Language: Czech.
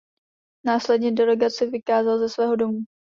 Následně delegaci vykázal ze svého domu.